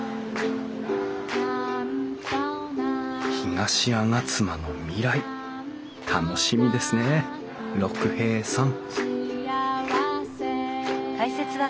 東吾妻の未来楽しみですね六平さん